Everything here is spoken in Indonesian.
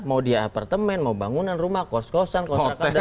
mau dia apartemen mau bangunan rumah kos kosan kotrakan dan segala macam